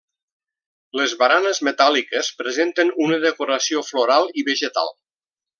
Les baranes metàl·liques presenten una decoració floral i vegetal.